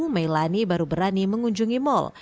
melani baru berani mengunjungi mal